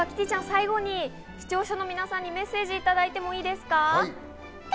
キティちゃん、最後に視聴者の皆さんにメッセージをいただいてもいいですか？